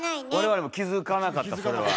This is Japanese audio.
我々も気付かなかったそれは。